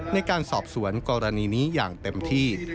ในการสอบสวนกรณีนี้อย่างเต็มที่